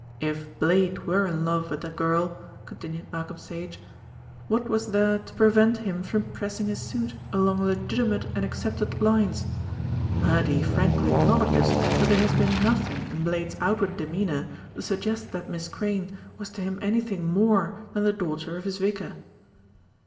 "If Blade were in love with the girl," continued Malcolm Sage, "what was there to prevent him from pressing his suit along legitimate and accepted lines. Murdy frankly acknowledges that there has been nothing in Blade's outward demeanour to suggest that Miss Crayne was to him anything more than the daughter of his vicar."